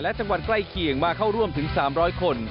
และจังหวัดใกล้เคียงมาเข้าร่วมถึง๓๐๐คน